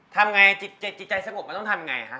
ทำไงจิตใจสงบมันต้องทำไงฮะ